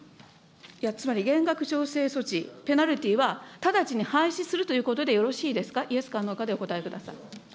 いや、つまり減額調整措置、ペナルティーは直ちに廃止するということでよろしいですか、イエスかノーかでお答えください。